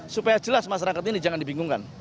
supaya jelas masyarakat ini jangan dibingungkan